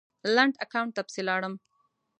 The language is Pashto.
لنډ اکاونټ ته پسې لاړم